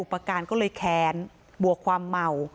โปรดติดตามต่อไป